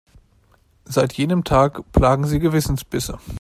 Seit jenem Tag plagen sie Gewissensbisse.